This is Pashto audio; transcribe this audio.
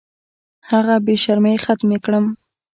هغه بې شرمۍ ختمې کړم.